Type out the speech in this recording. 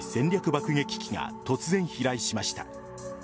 爆撃機が突然、飛来しました。